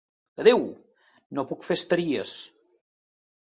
Adeu!, no puc fer estaries.